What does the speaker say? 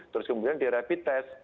terus kemudian direvit tes